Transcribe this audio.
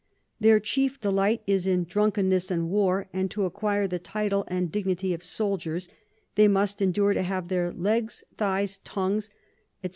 Their chief Delight is in Drunkenness and War; and to acquire the Title and Dignity of Soldiers, they must endure to have their Legs, Thighs, Tongues, _&c.